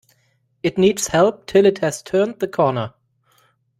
It needs help till it has turned the corner.